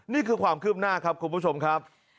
นี่คือความคืบหน้าครับคุณผู้ชมครับ